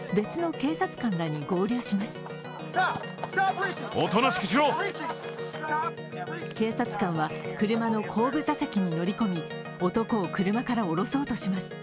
警察官は車の後部座席に乗り込み男を車から降ろそうとします。